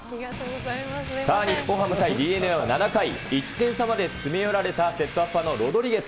さあ、日本ハム対ＤｅＮＡは７回、１点差まで詰め寄られたセットアッパーのロドリゲス。